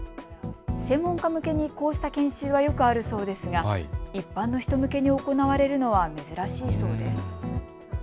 専門家向けにこうした研修はよくあるそうですが一般の人向けに行われるのは珍しいそうです。